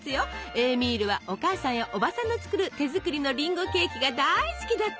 エーミールはお母さんやおばさんの作る手作りのりんごケーキが大好きだったの！